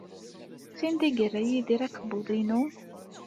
Sanda ay yerra Yidir akebbuḍ-inu?